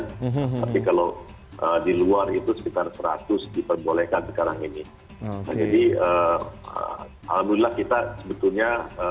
tapi kalau di luar itu sekitar seratus diperbolehkan sekarang ini jadi alhamdulillah kita sebetulnya